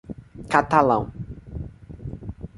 Catalão